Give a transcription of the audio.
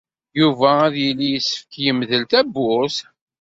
Yuba ad yili yessefk yemdel tawwurt.